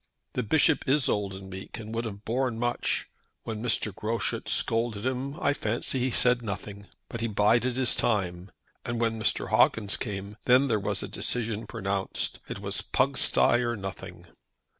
The Bishop is old and meek, and would have borne much. When Mr. Groschut scolded him, I fancy that he said nothing. But he bided his time; and when Mr. Hawkins came, then there was a decision pronounced. It was Pugsty, or nothing."